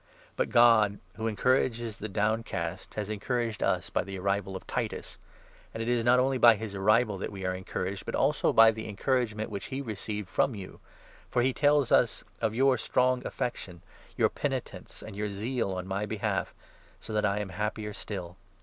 But God, who encourages the 6 downcast, has encouraged us by the arrival of Titus. And it 7 is not only by his arrival that we are encouraged, but also by the encouragement which he received from you ; for he tells us of your strong affection, your penitence, and your zeal on my behalf — so that I am happier still.